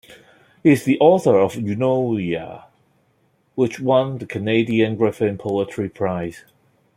He is the author of "Eunoia", which won the Canadian Griffin Poetry Prize.